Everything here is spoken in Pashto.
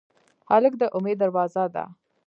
هلک د امید دروازه ده.